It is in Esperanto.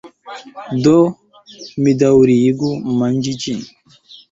Do, mi daŭrigu manĝi ĝin.